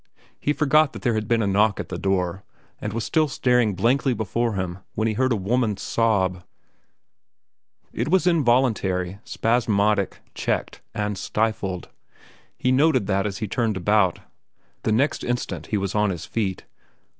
He forgot that there had been a knock at the door, and was still staring blankly before him when he heard a woman's sob. It was involuntary, spasmodic, checked, and stifled—he noted that as he turned about. The next instant he was on his feet.